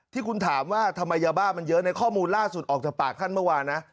ที่คุณถามว่าทำไมยาบ้ามันเยอะในข้อมูลล่าสุดออกจากปากท่านเมื่อวานนะ